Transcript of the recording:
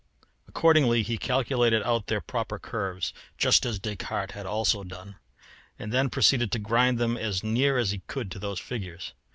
Accordingly he calculated out their proper curves, just as Descartes had also done, and then proceeded to grind them as near as he could to those figures.